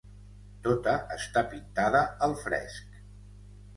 Tota està pintada al fresc.